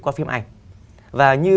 qua phim ảnh và như